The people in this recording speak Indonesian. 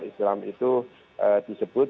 islam itu disebut